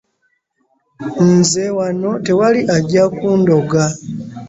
Nze wano tewali ajja kundoga.